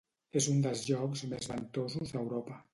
És un dels llocs més ventosos d'Europa.